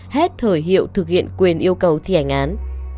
hết thời hiệu thực hiện quyền yêu cầu thi hành án